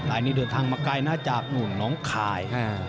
อันนี้เดินทางมาไกลนะจากนู่นน้องคาย